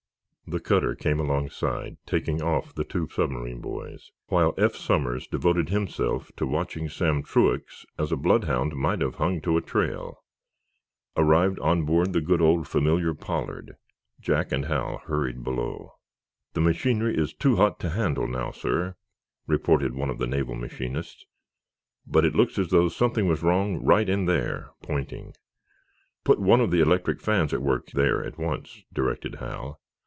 The cutter came alongside, taking off the two submarine boys, while Eph Somers devoted himself to watching Sam Truax as a bloodhound might have hung to a trail. Arrived on board the good, old, familiar "Pollard," Jack and Hal hurried below. "The machinery is too hot to handle, now, sir," reported one of the naval machinists, "but it looks as though something was wrong right in there"—pointing. "Put one of the electric fans at work there, at once," directed Hal.